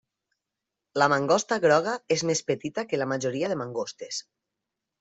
La mangosta groga és més petita que la majoria de mangostes.